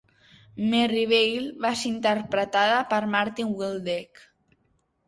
Merrivale va ser interpretada per Martin Wyldeck.